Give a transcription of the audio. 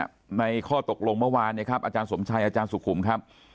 ข้อ๓ในข้อตกลงเมื่อวานอาจารย์สมชัยอาจารย์สุขุมครับ